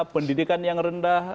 pendidikan yang rendah